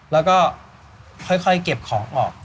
แล้วก็ค่อยเก็บของออก